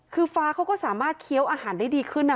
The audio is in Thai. คือฟ้าเขาก็สามารถเคี้ยวอาหารได้ดีขึ้นนะ